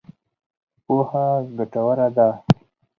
پوهه ګټوره ده.